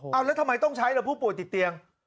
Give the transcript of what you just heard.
เอาแล้วทำไมต้องใช้ล่ะผู้ป่วยติดเตียง